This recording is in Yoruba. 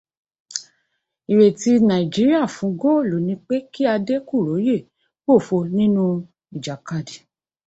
Ìrètí Nàìjíríà fún góòlú ni pé kí Adékùróyè pòfo nínú ìjàkadì